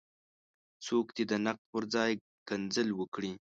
څوک دې د نقد پر ځای کنځل وکړي.